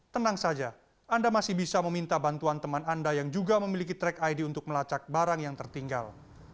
tenang saja anda masih bisa meminta bantuan teman anda yang juga memiliki track id untuk melacak barang yang tertinggal